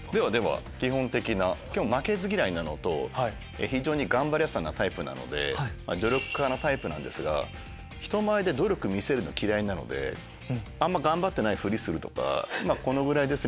基本負けず嫌いなのと非常に頑張り屋さんなタイプで努力家のタイプなんですが人前で努力見せるの嫌いなのであんま頑張ってないふりするとかこのぐらいです！